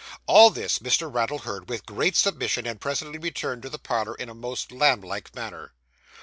All this, Mr. Raddle heard with great submission, and presently returned to the parlour in a most lamb like manner.